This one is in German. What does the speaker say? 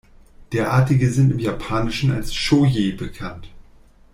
Derartige sind im Japanischen als "shōji" bekannt.